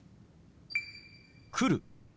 「来る」。